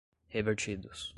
revertidos